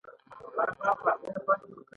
دلته یو شی د یو عامل په شتون کې زده کیږي.